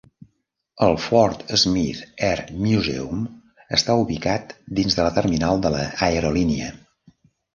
El Fort Smith Air Museum està ubicat dins de la terminal de l'aerolínia.